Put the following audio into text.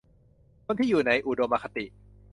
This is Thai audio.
คนที่อยู่ในอุดมคติ